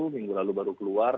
minggu lalu baru keluar